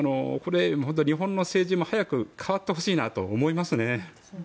日本の政治も早く変わってほしいなと思いますね。